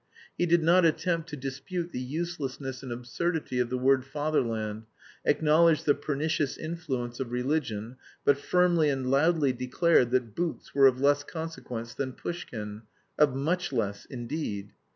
He did not attempt to dispute the uselessness and absurdity of the word "fatherland," acknowledged the pernicious influence of religion, but firmly and loudly declared that boots were of less consequence than Pushkin; of much less, indeed.